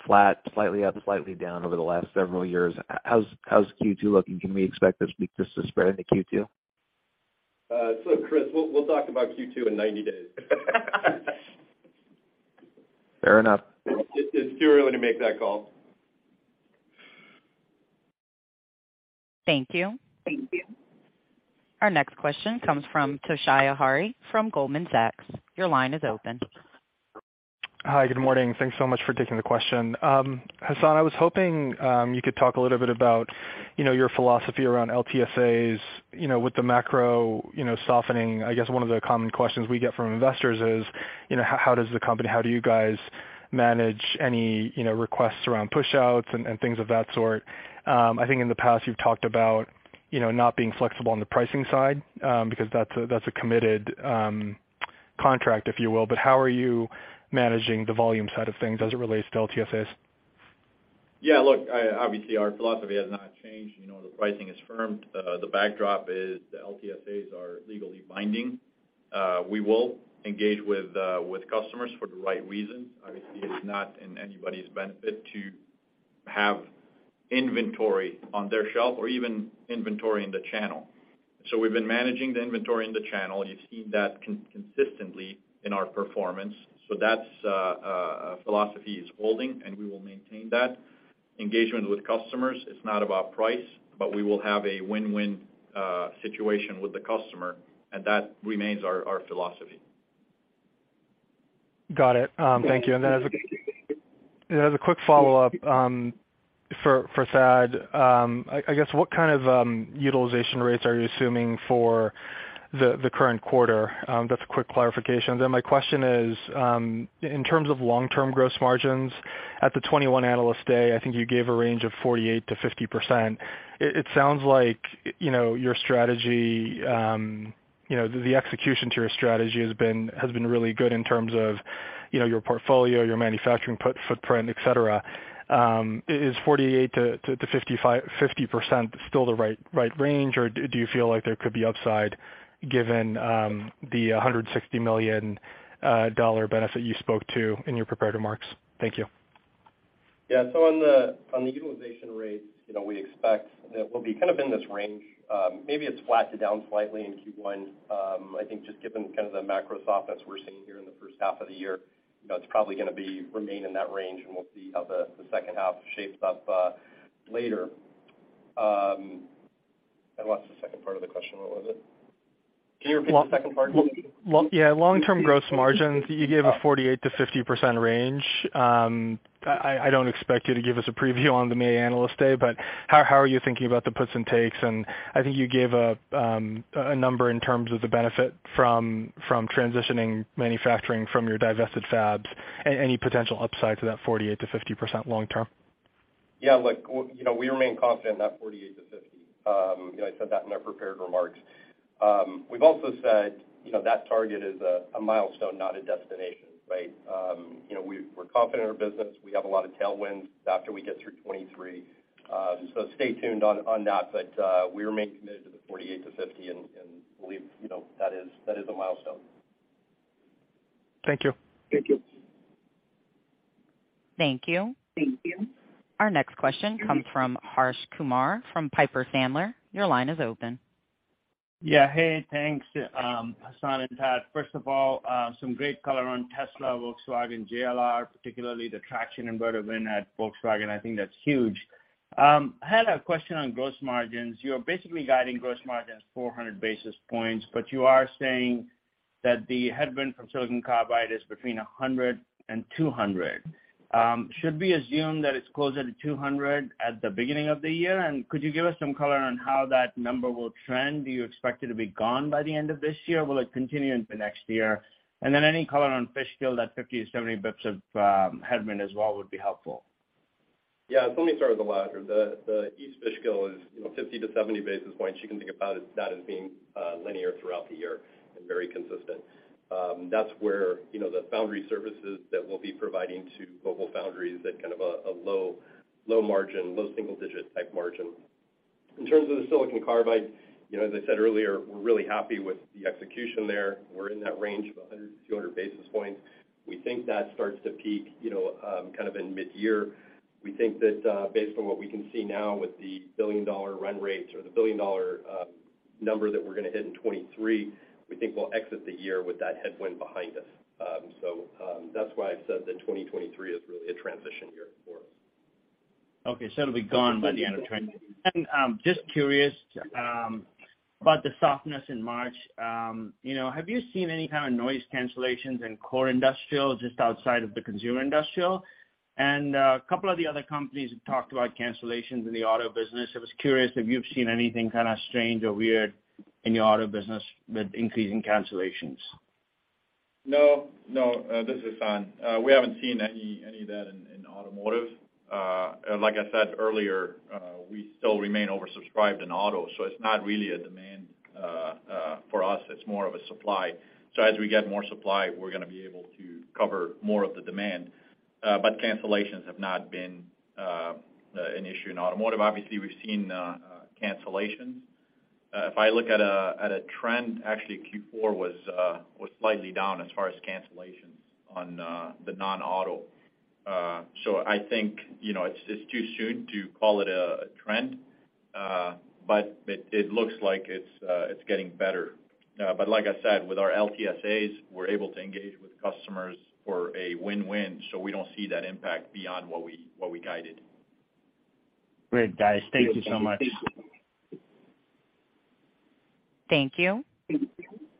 flat, slightly up, slightly down over the last several years. How's Q2 looking? Can we expect this weakness to spread into Q2? Chris, we'll talk about Q2 in 90 days. Fair enough. It's too early to make that call. Thank you. Our next question comes from Toshiya Hari from Goldman Sachs. Your line is open. Hi, good morning. Thanks so much for taking the question. Hassane, I was hoping you could talk a little bit about, you know, your philosophy around LTSAs, you know, with the macro, you know, softening. I guess one of the common questions we get from investors is, you know, how does the company, how do you guys manage any, you know, requests around pushouts and things of that sort. I think in the past, you've talked about, you know, not being flexible on the pricing side, because that's a, that's a committed contract, if you will. How are you managing the volume side of things as it relates to LTSAs? Look, obviously, our philosophy has not changed. You know, the pricing is firmed. The backdrop is the LTSAs are legally binding. We will engage with customers for the right reasons. Obviously, it's not in anybody's benefit to have inventory on their shelf or even inventory in the channel. We've been managing the inventory in the channel. You've seen that consistently in our performance. That's philosophy is holding, and we will maintain that. Engagement with customers, it's not about price, but we will have a win-win situation with the customer, and that remains our philosophy. Got it. Thank you. As a quick follow-up, for Thad, I guess, what kind of utilization rates are you assuming for the current quarter? That's a quick clarification. My question is, in terms of long-term gross margins, at the 2021 Analyst Day, I think you gave a range of 48%-50%. It sounds like, you know, your strategy, you know, the execution to your strategy has been really good in terms of, you know, your portfolio, your manufacturing footprint, et cetera. Is 48%-50% still the right range, or do you feel like there could be upside given the $160 million benefit you spoke to in your prepared remarks? Thank you. Yeah. On the utilization rates, you know, we expect that we'll be kind of in this range maybe it's flat to down slightly in Q1. I think just given kind of the macro softness we're seeing here in the first half of the year, you know, it's probably gonna be remain in that range and we'll see how the second half shapes up later. I lost the second part of the question. What was it? Can you repeat the second part? Lo-lo- Yeah. Long-term gross margins, you gave a 48%-50% range. I don't expect you to give us a preview on the May Analyst Day, but how are you thinking about the puts and takes? I think you gave a number in terms of the benefit from transitioning manufacturing from your divested fabs. Any potential upside to that 48%-50% long term? Yeah. Look, you know, we remain confident in that 48-50. You know, I said that in our prepared remarks. We've also said, you know, that target is a milestone, not a destination, right? You know, we're confident in our business. We have a lot of tailwinds after we get through 2023. Stay tuned on that. We remain committed to the 48-50 and believe, you know, that is a milestone. Thank you. Thank you. Our next question comes from Harsh Kumar from Piper Sandler. Your line is open. Yeah. Hey, thanks, Hassane and Saad. First of all, some great color on Tesla, Volkswagen, JLR, particularly the traction inverter win at Volkswagen. I think that's huge. I had a question on gross margins. You're basically guiding gross margin 400 basis points, but you are saying that the headwind from silicon carbide is between 100 and 200. Should we assume that it's closer to 200 at the beginning of the year? Could you give us some color on how that number will trend? Do you expect it to be gone by the end of this year? Will it continue into next year? Then any color on Fishkill, that 50-70 basis points of headwind as well would be helpful. Let me start with the latter. The East Fishkill is, you know, 50-70 basis points. You can think about that as being linear throughout the year and very consistent. That's where, you know, the foundry services that we'll be providing to GlobalFoundries at kind of a low, low margin, low single digit type margin. In terms of the silicon carbide, you know, as I said earlier, we're really happy with the execution there. We're in that range of 100-200 basis points. We think that starts to peak, you know, kind of in mid-year. We think that based on what we can see now with the billion-dollar run rates or the billion-dollar number that we're gonna hit in 2023, we think we'll exit the year with that headwind behind us. That's why I said that 2023 is really a transition year for us. Okay. It'll be gone by the end of 2023. Just curious about the softness in March. You know, have you seen any kind of noise cancellations in core industrial just outside of the consumer industrial? A couple of the other companies have talked about cancellations in the auto business. I was curious if you've seen anything kind of strange or weird in your auto business with increasing cancellations. No, no. This is Hassane. We haven't seen any of that in automotive. Like I said earlier, we still remain oversubscribed in auto, so it's not really a demand for us. It's more of a supply. As we get more supply, we're gonna be able to cover more of the demand. Cancellations have not been an issue in automotive. Obviously, we've seen cancellations. If I look at a, at a trend, actually Q4 was slightly down as far as cancellations on the non-auto. I think, you know, it's too soon to call it a trend, but it looks like it's getting better. Like I said, with our LTSAs, we're able to engage with customers for a win-win, so we don't see that impact beyond what we, what we guided. Great, guys. Thank you so much. Thank you.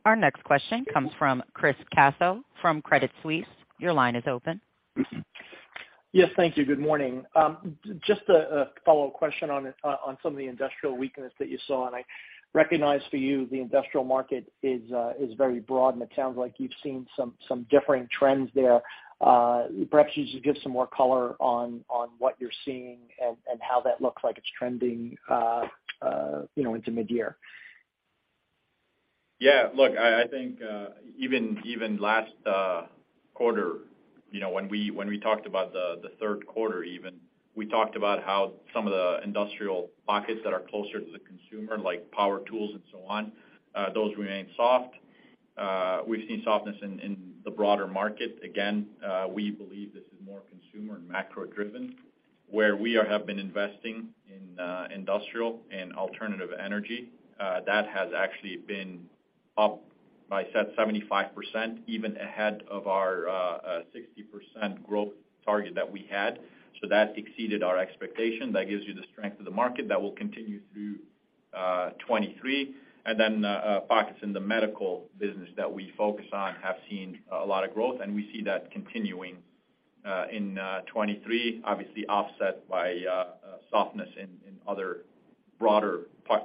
Our next question comes from Chris Caso from Credit Suisse. Your line is open. Yes, thank you. Good morning. Just a follow question on some of the industrial weakness that you saw, and I recognize for you, the industrial market is very broad, and it sounds like you've seen some differing trends there. Perhaps you could give some more color on what you're seeing and how that looks like it's trending, you know, into mid-year. Look, I think, even last quarter, you know, when we, when we talked about the third quarter even, we talked about how some of the industrial pockets that are closer to the consumer, like power tools and so on, those remain soft. We've seen softness in the broader market. Again, we believe this is more consumer and macro driven. Where we have been investing in industrial and alternative energy, that has actually been up by, I said 75%, even ahead of our 60% growth target that we had. That exceeded our expectation. That gives you the strength of the market. That will continue through 2023. Pockets in the medical business that we focus on have seen a lot of growth, and we see that continuing in 2023, obviously offset by softness in other broader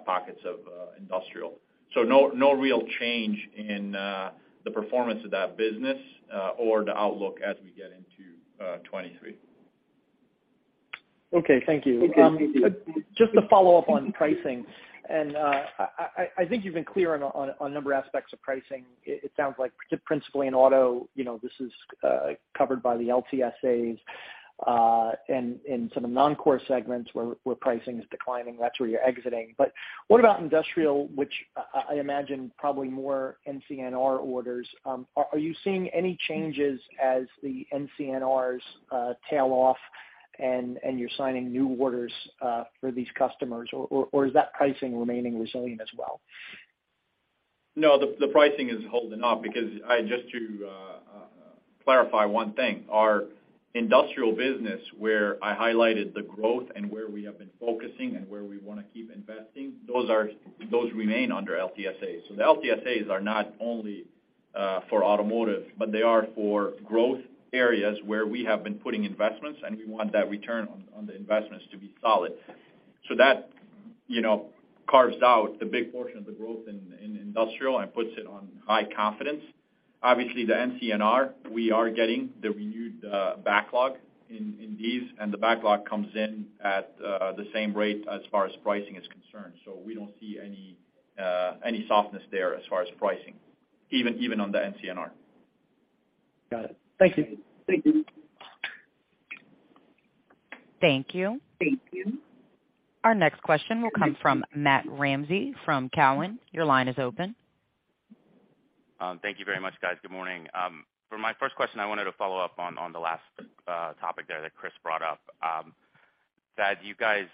pockets of industrial. No, no real change in the performance of that business or the outlook as we get into 2023. Okay. Thank you. Just to follow up on pricing, I think you've been clear on a number of aspects of pricing. It sounds like principally in auto, you know, this is covered by the LTSAs, and in some of the non-core segments where pricing is declining, that's where you're exiting. What about industrial, which I imagine probably more NCNR orders? Are you seeing any changes as the NCNRs tail off and you're signing new orders for these customers, or is that pricing remaining resilient as well? No, the pricing is holding up because just to clarify one thing. Our industrial business, where I highlighted the growth and where we have been focusing and where we wanna keep investing, those remain under LTSAs. The LTSAs are not only for automotive, but they are for growth areas where we have been putting investments, and we want that return on the investments to be solid. That, you know, carves out the big portion of the growth in industrial and puts it on high confidence. Obviously, the NCNR, we are getting the renewed backlog in these, and the backlog comes in at the same rate as far as pricing is concerned. We don't see any softness there as far as pricing, even on the NCNR. Got it. Thank you. Thank you. Our next question will come from Matt Ramsay from Cowen. Your line is open. Thank you very much, guys. Good morning. For my first question, I wanted to follow up on the last topic there that Chris brought up. That you guys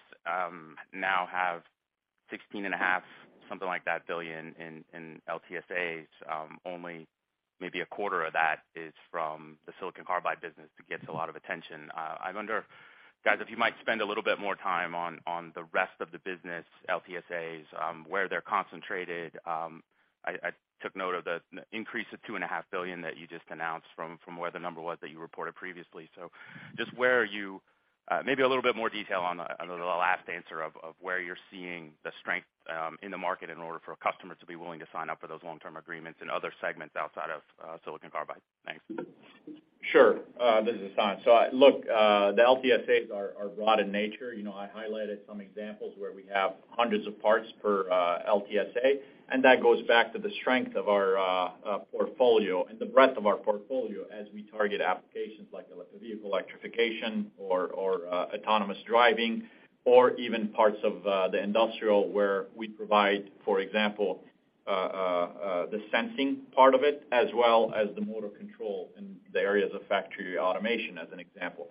now have $16.5 billion, something like that, in LTSAs, only maybe a quarter of that is from the silicon carbide business that gets a lot of attention. I wonder, guys, if you might spend a little bit more time on the rest of the business LTSAs, where they're concentrated. I took note of the increase of $2.5 billion that you just announced from where the number was that you reported previously. Maybe a little bit more detail on the last answer of where you're seeing the strength in the market in order for customers to be willing to sign up for those long-term agreements in other segments outside of silicon carbide. Thanks. Sure. This is Hassane. Look, the LTSAs are broad in nature. You know, I highlighted some examples where we have hundreds of parts per LTSA, and that goes back to the strength of our portfolio and the breadth of our portfolio as we target applications like electric vehicle electrification or autonomous driving, or even parts of the industrial where we provide, for example, the sensing part of it, as well as the motor control in the areas of factory automation, as an example.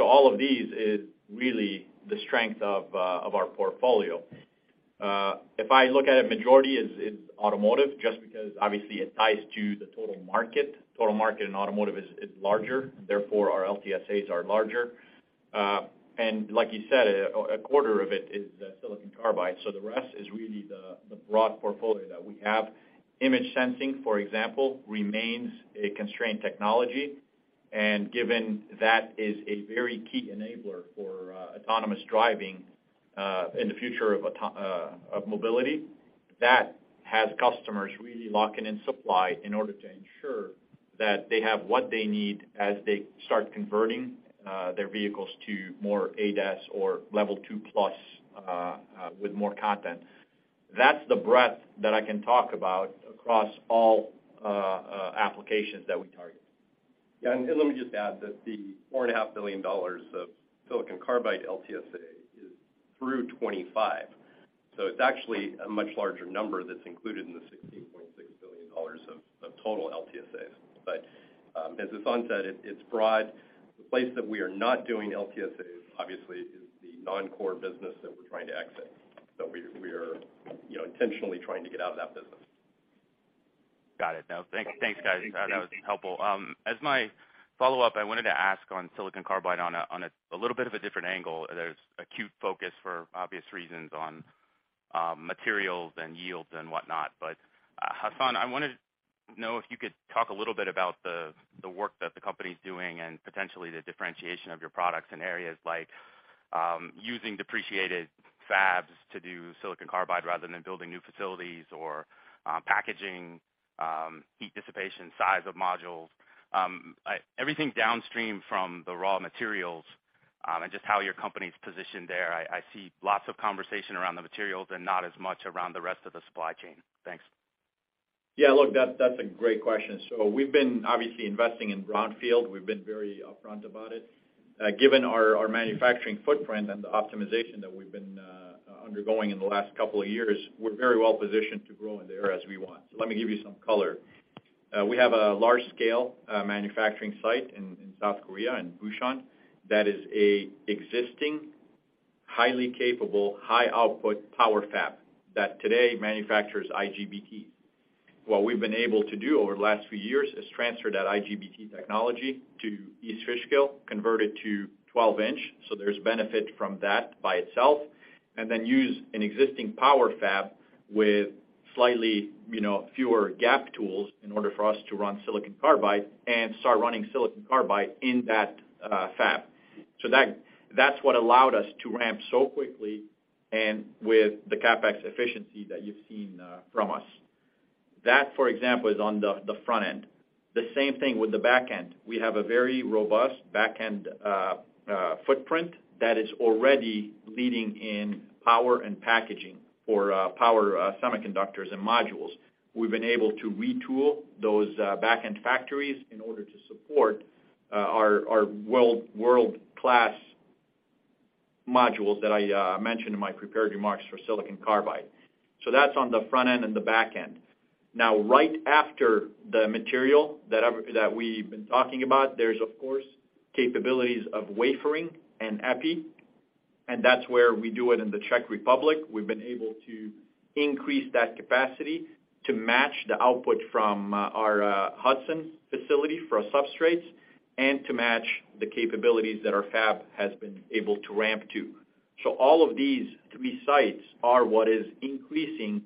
All of these is really the strength of our portfolio. If I look at a majority is automotive, just because obviously it ties to the total market. Total market in automotive is larger, therefore our LTSAs are larger. Like you said, a quarter of it is silicon carbide, so the rest is really the broad portfolio that we have. Intelligent Sensing, for example, remains a constrained technology, and given that is a very key enabler for autonomous driving in the future of mobility, that has customers really locking in supply in order to ensure that they have what they need as they start converting their vehicles to more ADAS or Level 2+, with more content. That's the breadth that I can talk about across all applications that we target. Yeah. Let me just add that the four and a half billion dollars of silicon carbide LTSA is through 2025. It's actually a much larger number that's included in the $16.6 billion of total LTSAs. As Hassane said, it's broad. The place that we are not doing LTSAs obviously is the non-core business that we're trying to exit. We are, you know, intentionally trying to get out of that business. Got it. No, thank-thanks, guys. That was helpful. As my follow-up, I wanted to ask on silicon carbide on a little bit of a different angle. There's acute focus for obvious reasons on materials and yields and whatnot. Hassane, I wanted to know if you could talk a little bit about the work that the company is doing and potentially the differentiation of your products in areas like using depreciated fabs to do silicon carbide rather than building new facilities or packaging, heat dissipation, size of modules, everything downstream from the raw materials, and just how your company is positioned there. I see lots of conversation around the materials and not as much around the rest of the supply chain. Thanks. Yeah. Look, that's a great question. We've been obviously investing in brownfield. We've been very upfront about it. Given our manufacturing footprint and the optimization that we've been undergoing in the last couple of years, we're very well positioned to grow in there as we want. Let me give you some color. We have a large scale manufacturing site in South Korea, in Busan, that is an existing, highly capable, high output power fab that today manufactures IGBT. What we've been able to do over the last few years is transfer that IGBT technology to East Fishkill, convert it to 12-inch, so there's benefit from that by itself, and then use an existing power fab with slightly, you know, fewer gap tools in order for us to run silicon carbide and start running silicon carbide in that fab. That's what allowed us to ramp so quickly and with the CapEx efficiency that you've seen from us. For example, is on the front end. The same thing with the back end. We have a very robust back end footprint that is already leading in power and packaging for power semiconductors and modules. We've been able to retool those back-end factories in order to support our world-class modules that I mentioned in my prepared remarks for silicon carbide. That's on the front end and the back end. Right after the material that we've been talking about, there's of course capabilities of wafering and Epi, and that's where we do it in the Czech Republic. We've been able to increase that capacity to match the output from our Hudson facility for our substrates and to match the capabilities that our fab has been able to ramp to. All of these three sites are what is increasing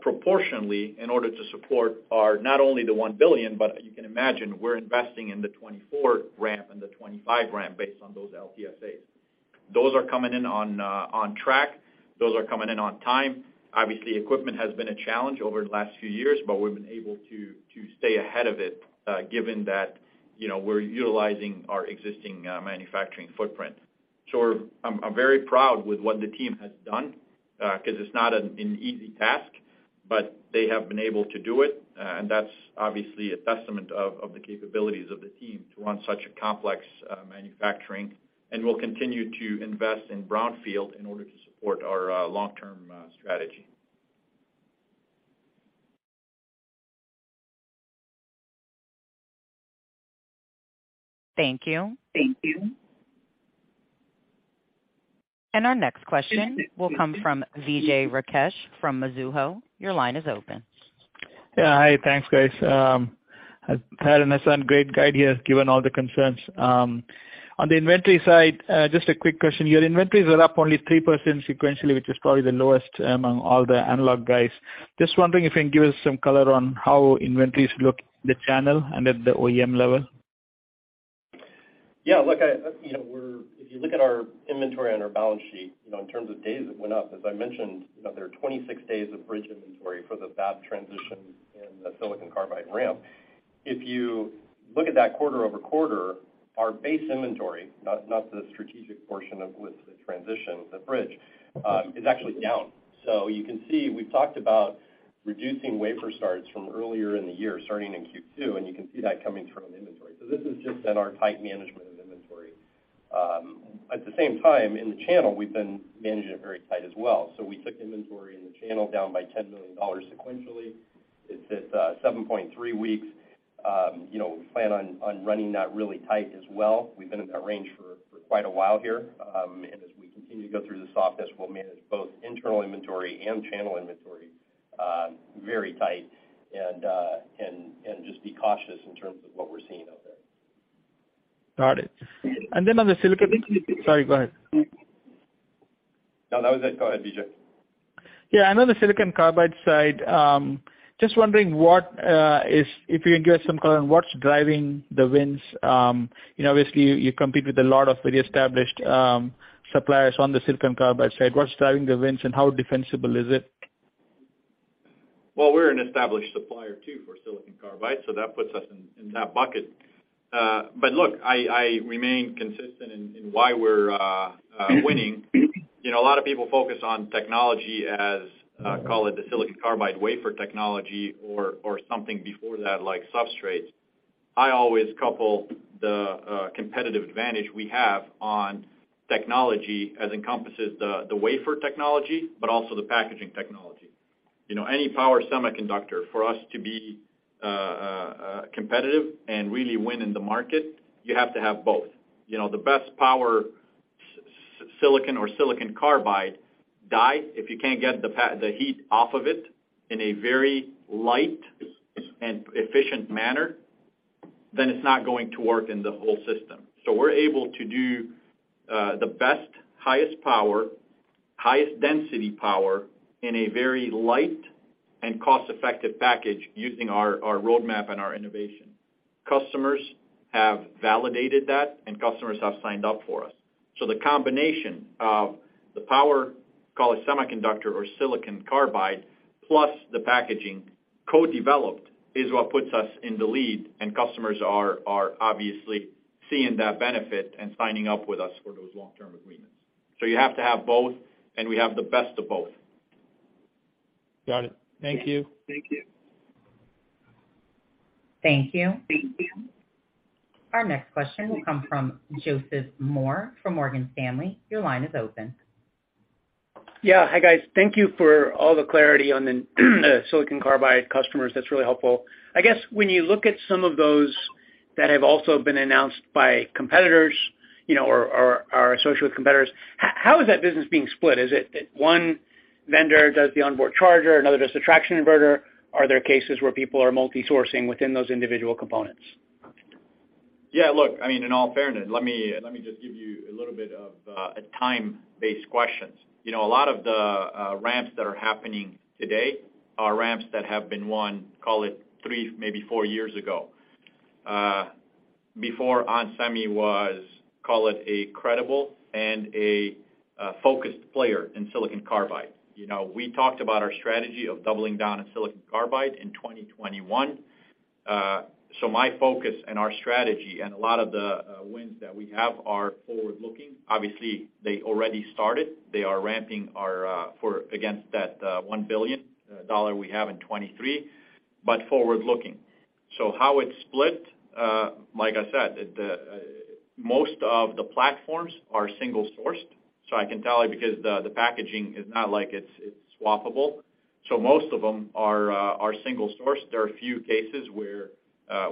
proportionally in order to support our, not only the $1 billion, but you can imagine we're investing in the 2024 ramp and the 2025 ramp based on those LTSAs. Those are coming in on track. Those are coming in on time. Obviously, equipment has been a challenge over the last few years, but we've been able to stay ahead of it, given that, you know, we're utilizing our existing manufacturing footprint. I'm very proud with what the team has done, 'cause it's not an easy task, but they have been able to do it, and that's obviously a testament of the capabilities of the team to run such a complex, manufacturing. We'll continue to invest in brownfield in order to support our long-term strategy. Thank you. Our next question will come from Vijay Rakesh from Mizuho. Your line is open. Yeah. Hi. Thanks, guys. Thad and Hassane, great guide here, given all the concerns. On the inventory side, just a quick question. Your inventories are up only 3% sequentially, which is probably the lowest among all the analog guys. Just wondering if you can give us some color on how inventories look in the channel and at the OEM level. Look, I, you know, if you look at our inventory on our balance sheet, you know, in terms of days it went up, as I mentioned, you know, there are 26 days of bridge inventory for the fab transition in the silicon carbide ramp. If you look at that quarter-over-quarter, our base inventory, not the strategic portion with the transition, the bridge, is actually down. You can see, we've talked about reducing wafer starts from earlier in the year, starting in Q2, and you can see that coming through on the inventory. This is just in our tight management of inventory. At the same time, in the channel, we've been managing it very tight as well. We took inventory in the channel down by $10 million sequentially. It's at 7.3 weeks. You know, we plan on running that really tight as well. We've been in that range for quite a while here. As we continue to go through the softness, we'll manage both internal inventory and channel inventory, very tight and just be cautious in terms of what we're seeing out there. Got it. On the silicon- No, that was it. Go ahead, Vijay. Yeah, on the silicon carbide side, just wondering if you can give us some color on what's driving the wins. you know, obviously, you compete with a lot of very established suppliers on the silicon carbide side. What's driving the wins and how defensible is it? Well, we're an established supplier too for silicon carbide, that puts us in that bucket. Look, I remain consistent in why we're winning. You know, a lot of people focus on technology as call it the silicon carbide wafer technology or something before that, like substrates. I always couple the competitive advantage we have on technology as encompasses the wafer technology, also the packaging technology. You know, any power semiconductor, for us to be competitive and really win in the market, you have to have both. You know, the best power silicon or silicon carbide die, if you can't get the heat off of it in a very light and efficient manner, it's not going to work in the whole system. We're able to do the best, highest power, highest density power in a very light and cost-effective package using our roadmap and our innovation. Customers have validated that and customers have signed up for us. The combination of the power, call it semiconductor or silicon carbide, plus the packaging co-developed, is what puts us in the lead, and customers are obviously seeing that benefit and signing up with us for those long-term agreements. You have to have both, and we have the best of both. Got it. Thank you. Thank you. Thank you. Our next question will come from Joseph Moore from Morgan Stanley. Your line is open. Yeah. Hi, guys. Thank you for all the clarity on the silicon carbide customers. That's really helpful. I guess when you look at some of those that have also been announced by competitors, you know, or are associated with competitors, how is that business being split? Is it that one vendor does the onboard charger, another does the traction inverter? Are there cases where people are multi-sourcing within those individual components? Yeah. Look, I mean, in all fairness, let me just give you a little bit of a time-based question. You know, a lot of the ramps that are happening today are ramps that have been won, call it three, maybe four years ago, before onsemi was, call it, a credible and a focused player in silicon carbide. You know, we talked about our strategy of doubling down on silicon carbide in 2021. My focus and our strategy and a lot of the wins that we have are forward-looking. Obviously, they already started. They are ramping our for against that $1 billion we have in 2023, but forward-looking. How it's split, like I said, the most of the platforms are single-sourced, so I can tell because the packaging is not like it's swappable. Most of them are single-sourced. There are a few cases where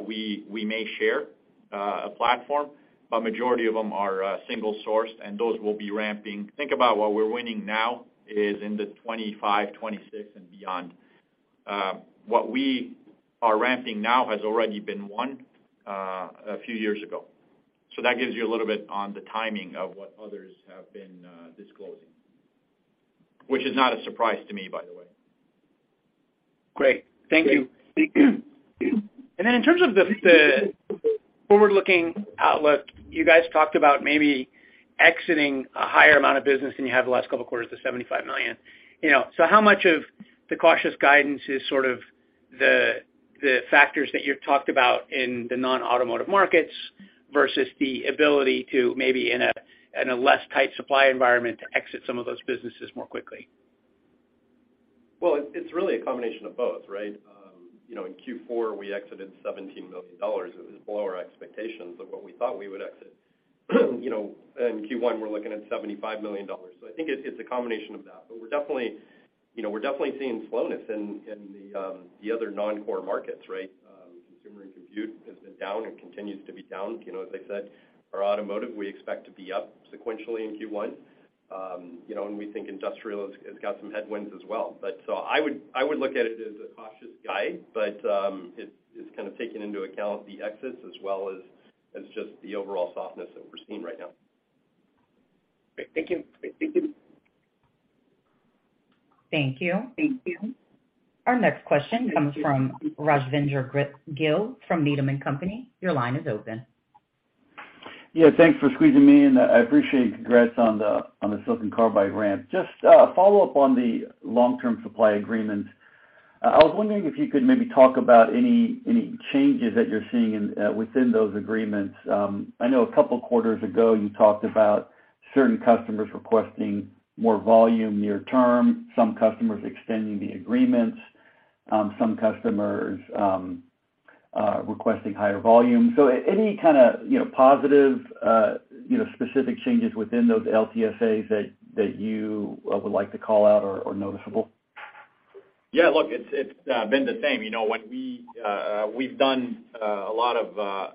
we may share a platform, but majority of them are single-sourced, and those will be ramping. Think about what we're winning now is in the 2025, 2026 and beyond. What we are ramping now has already been won a few years ago. That gives you a little bit on the timing of what others have been disclosing, which is not a surprise to me, by the way. Great. Thank you. In terms of the forward-looking outlook, you guys talked about maybe exiting a higher amount of business than you have the last couple of quarters, the $75 million. You know, how much of the cautious guidance is sort of the factors that you've talked about in the non-automotive markets versus the ability to maybe in a less tight supply environment to exit some of those businesses more quickly? It's really a combination of both, right? You know, in Q4, we exited $17 million. It was below our expectations of what we thought we would exit. You know, in Q1, we're looking at $75 million. I think it's a combination of that. We're definitely, you know, we're definitely seeing slowness in the other non-core markets, right? Consumer and compute has been down and continues to be down. You know, as I said, our automotive, we expect to be up sequentially in Q1. You know, we think industrial has got some headwinds as well. I would look at it as a cautious guide, but it's kind of taking into account the exits as well as just the overall softness that we're seeing right now. Great. Thank you. Thank you. Our next question comes from Rajvindra Gill from Needham & Company. Your line is open. Yeah, thanks for squeezing me in. I appreciate. Congrats on the silicon carbide ramp. Just follow up on the long-term supply agreement. I was wondering if you could maybe talk about any changes that you're seeing within those agreements. I know a couple quarters ago, you talked about certain customers requesting more volume near term, some customers extending the agreements, some customers requesting higher volume. Any kind of, you know, positive, you know, specific changes within those LTSAs that you would like to call out or noticeable? Look, it's been the same. You know, when we've done a lot of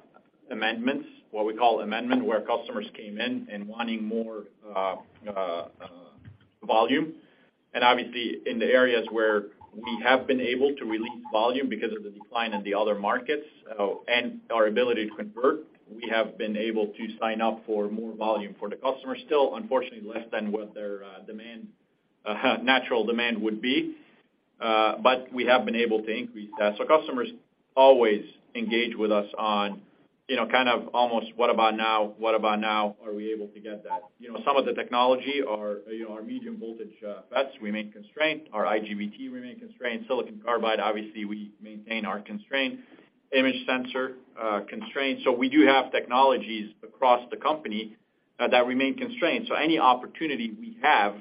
amendments, what we call amendment, where customers came in and wanting more volume. Obviously, in the areas where we have been able to release volume because of the decline in the other markets, and our ability to convert, we have been able to sign up for more volume for the customers. Still, unfortunately, less than what their demand, natural demand would be, but we have been able to increase that. Customers always engage with us on, you know, kind of almost what about now? What about now? Are we able to get that? You know, some of the technology are, you know, our medium voltage FETs remain constrained. Our IGBT remain constrained. Silicon carbide, obviously, we maintain our constraint. Image sensor, constrained. We do have technologies across the company, that remain constrained. Any opportunity we have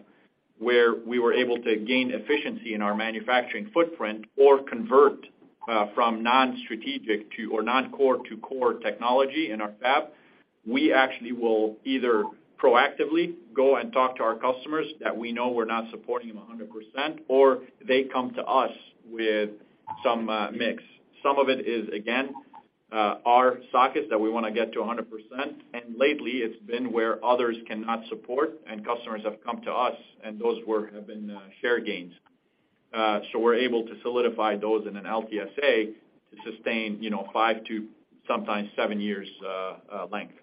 where we were able to gain efficiency in our manufacturing footprint or convert from non-strategic to, or non-core to core technology in our fab, we actually will either proactively go and talk to our customers that we know we're not supporting them 100%, or they come to us with some mix. Some of it is, again, our sockets that we wanna get to 100%. Lately, it's been where others cannot support and customers have come to us, and those have been, share gains. We're able to solidify those in an LTSA to sustain, you know, 5 to sometimes 7 years, length.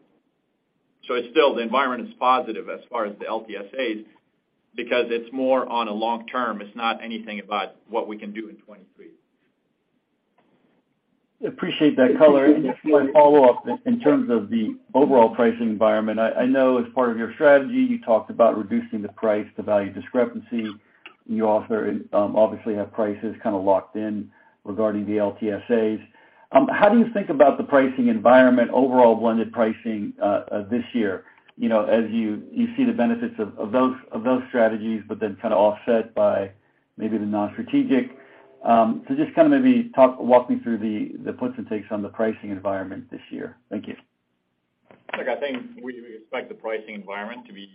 It's still, the environment is positive as far as the LTSAs because it's more on a long term. It's not anything about what we can do in 2023. Appreciate that color. Just one follow-up in terms of the overall pricing environment. I know as part of your strategy, you talked about reducing the price to value discrepancy. You also obviously have prices kinda locked in regarding the LTSAs. How do you think about the pricing environment, overall blended pricing, this year? You know, as you see the benefits of those strategies, but then kinda offset by maybe the non-strategic. So just kinda maybe walk me through the puts and takes on the pricing environment this year. Thank you. Look, I think we expect the pricing environment to be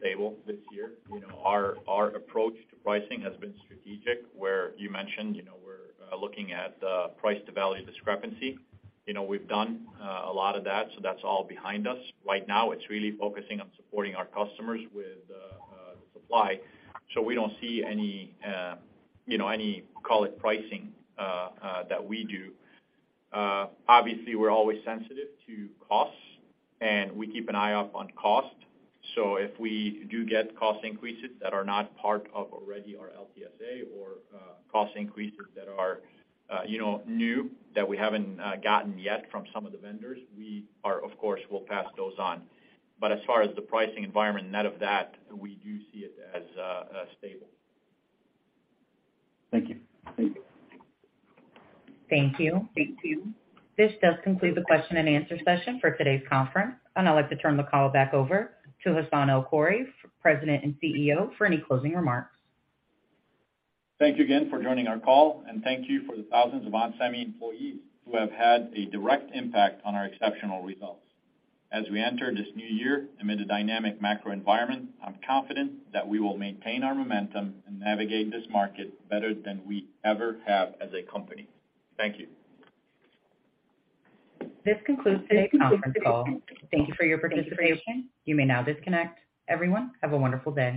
stable this year. You know, our approach to pricing has been strategic, where you mentioned, you know, we're looking at price to value discrepancy. You know, we've done a lot of that, so that's all behind us. Right now it's really focusing on supporting our customers with the supply, so we don't see any, you know, any, call it pricing that we do. Obviously we're always sensitive to costs, and we keep an eye out on cost. If we do get cost increases that are not part of already our LTSA or cost increases that are, you know, new that we haven't gotten yet from some of the vendors, we are, of course, will pass those on. As far as the pricing environment net of that, we do see it as stable. Thank you. Thank you. Thank you. This does conclude the Q&A session for today's conference. I'd like to turn the call back over to Hassane El-Khoury, President and CEO, for any closing remarks. Thank you again for joining our call, and thank you for the thousands of onsemi employees who have had a direct impact on our exceptional results. As we enter this new year amid a dynamic macro environment, I'm confident that we will maintain our momentum and navigate this market better than we ever have as a company. Thank you. This concludes today's conference call. Thank you for your participation. You may now disconnect. Everyone, have a wonderful day.